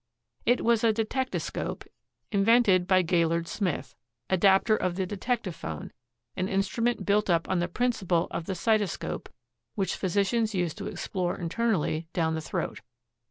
It was a detectascope, invented by Gaillard Smith, adapter of the detectaphone, an instrument built up on the principle of the cytoscope which physicians use to explore internally down the throat.